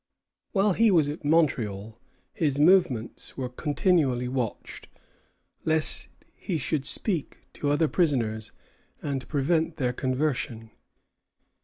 While he was at Montreal, his movements were continually watched, lest he should speak to other prisoners and prevent their conversion.